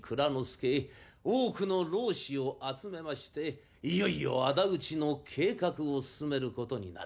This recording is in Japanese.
多くの浪士を集めましていよいよあだ討ちの計画を進めることになる。